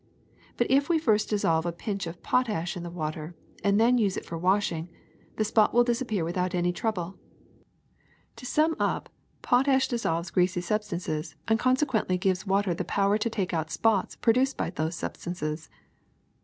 But if we first dissolve a pinch of potash in the water and then use it for washing, the spot will disappear without any trouble. To sum up, potash dissolves greasy substances and consequently gives water the power to take out spots produced by those substances.